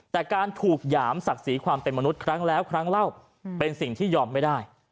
แต่การถูกหยามศักดิ์ศรีความเป็นมนุษย์ครั้งแล้วครั้งเล่าเป็นสิ่งที่ยอมไม่ได้